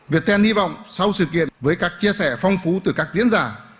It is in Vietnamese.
việt ten hy vọng sau sự kiện với các chia sẻ phong phú từ các diễn giả